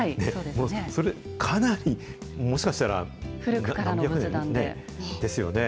それ、かなり、もしかしたら、何百年？ですよね。